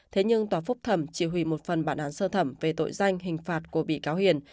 thế nhưng tòa phúc thẩm chỉ hủy một phần bản án sơ thẩm về tội danh hình phạt của bị cáo hiền